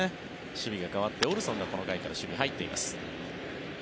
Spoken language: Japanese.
守備が代わって、オルソンがこの回から守備に入っています。